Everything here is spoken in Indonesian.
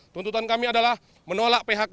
tuntutan kami adalah menolak phk